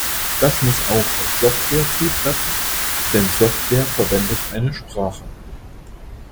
Das muss auch auf Software zutreffen, denn Software verwendet eine Sprache.